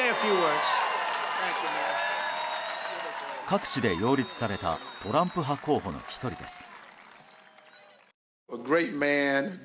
各地で擁立されたトランプ派候補の１人です。